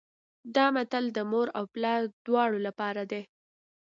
دا متل د مور او پلار دواړو لپاره دی